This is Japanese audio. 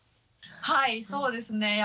はいそうですね